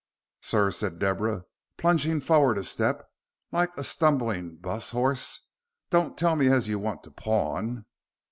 "Sir," said Deborah, plunging forward a step, like a stumbling 'bus horse, "don't tell me as you want to pawn."